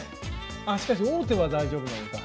あしかし王手は大丈夫なのか。